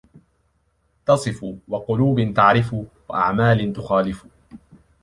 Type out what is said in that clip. تَصِفُ ، وَقُلُوبٍ تَعْرِفُ ، وَأَعْمَالٍ تُخَالِفُ